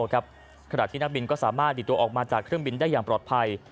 ขณะที่นักบินก็สามารถดีดตัวออกมาจากเครื่องบินได้อย่างปลอดภัย